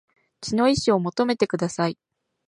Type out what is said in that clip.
血の遺志を求めてください